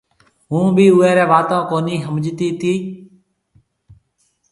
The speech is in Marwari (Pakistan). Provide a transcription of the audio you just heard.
هُون بي اويري واتون ڪونَي سمجهتي تي